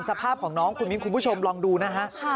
สภาพของน้องคุณมิ้นคุณผู้ชมลองดูนะฮะ